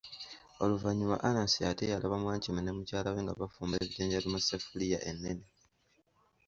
Oluvannyuma Anansi ate yalaba Wankima ne mukyala we nga bafumba ebijanjaalo mu sseffuliya ennene.